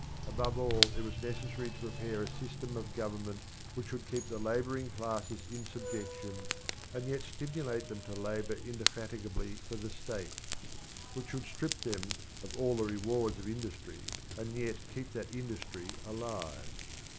Above all, it was necessary to prepare a system of government which should keep the labouring classes in subjection and yet stimulate them to labour indefatigably for the state; which should strip them of all the rewards of industry and yet keep that industry alive.